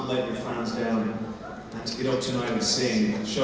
dan untuk menangkap malam ini dengan menonton